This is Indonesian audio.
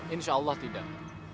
insya allah tidak